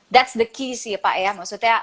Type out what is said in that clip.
that's the key sih pak ea maksudnya